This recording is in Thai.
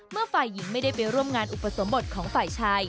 ฝ่ายหญิงไม่ได้ไปร่วมงานอุปสมบทของฝ่ายชาย